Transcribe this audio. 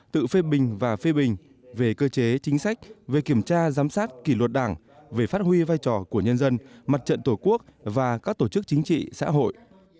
tự phê bình và phê bình về cơ chế chính sách về kiểm tra giám sát kỷ luật đảng về phát huy vai trò của nhân dân mặt trận tổ quốc và các tổ chức chính trị xã hội